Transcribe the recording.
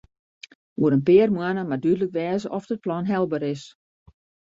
Oer in pear moanne moat dúdlik wêze oft it plan helber is.